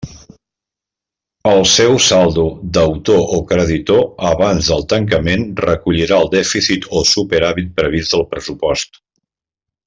El seu saldo, deutor o creditor, abans del tancament, recollirà el dèficit o superàvit previst del pressupost.